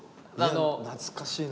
懐かしいな。